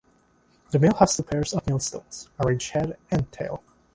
The mill has two pairs of millstones, arranged head and tail.